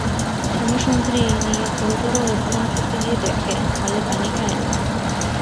শ্যামাসুন্দরী এই নিয়ে ঘোরতর অভিমান করতে গিয়ে দেখে হালে পানি পায় না।